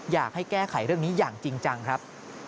อยากให้แก้ไขเรื่องนี้อย่างจริงจังครับ